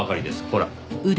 ほら。